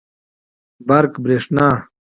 برق √ بريښنا